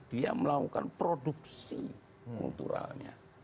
dia melakukan produksi kulturalnya